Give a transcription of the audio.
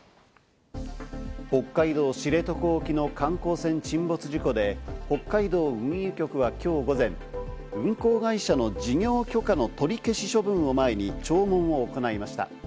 北海道知床沖の観光船沈没事故で北海道運輸局は今日午前、運航会社の事業許可の取り消し処分を前に聴聞を行いました。